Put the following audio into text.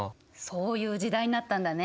そういう時代になったんだね。